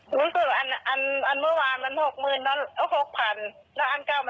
แล้วอันเก้ามันมีซ่องขาดหกหมื่นแล้ว